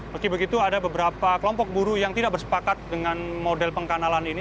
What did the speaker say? meski begitu ada beberapa kelompok buruh yang tidak bersepakat dengan model pengkanalan ini